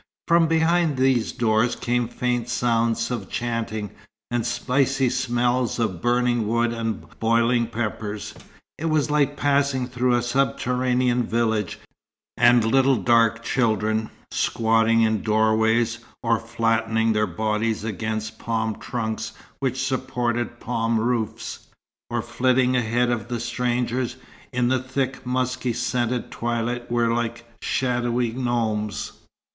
From behind these doors came faint sounds of chanting, and spicy smells of burning wood and boiling peppers. It was like passing through a subterranean village; and little dark children, squatting in doorways, or flattening their bodies against palm trunks which supported palm roofs, or flitting ahead of the strangers, in the thick, musky scented twilight, were like shadowy gnomes.